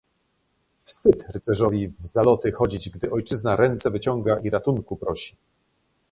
"Wstyd rycerzowi w zaloty chodzić, gdy ojczyzna ręce wyciąga i ratunku prosi."